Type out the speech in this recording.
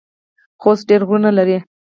خوست ډیر غرونه لري